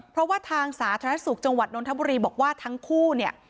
เพราะว่าทางสาธารณสุขจังหวัดนทบุรีบอกว่าทั้งคู่เนี่ย